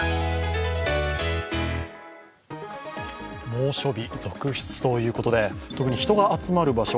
猛暑日、続出ということで、特に人が集まる場所